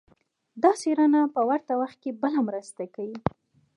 دا څېړنه په ورته وخت کې بله مرسته کوي.